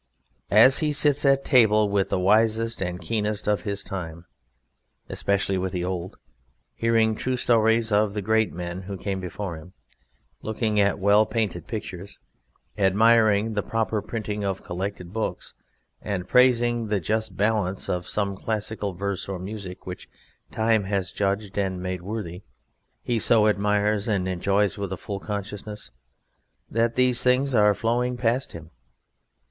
As he sits at table with the wisest and keenest of his time, especially with the old, hearing true stories of the great men who came before him, looking at well painted pictures, admiring the proper printing of collected books, and praising the just balance of some classical verse or music which time has judged and made worthy, he so admires and enjoys with a full consciousness that these things are flowing past him.